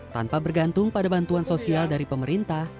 tanpa bergantung pada bantuan sosial dari pemerintah